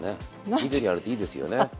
緑あるといいですよね。